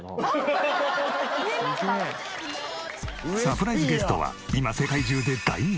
サプライズゲストは今世界中で大人気！